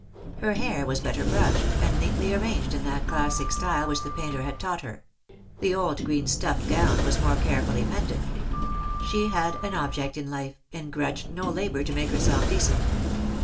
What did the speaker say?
Her hair was better brushed, and neatly arranged in that classic style which the painter had taught her ; the old green stuff gown was more carefully mended. She had an object in life, and grudged no labour to make herself decent.